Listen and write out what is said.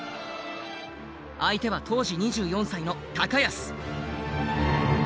相手は当時２４歳の高安。